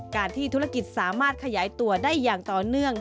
การที่ธุรกิจสามารถขยายตัวได้อย่างต่อเนื่อง